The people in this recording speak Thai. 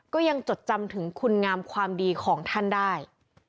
จดจำถึงคุณงามความดีของท่านได้